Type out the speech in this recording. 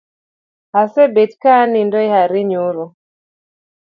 Asebet ka anindo are nyoro